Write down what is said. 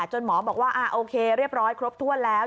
หมอบอกว่าโอเคเรียบร้อยครบถ้วนแล้ว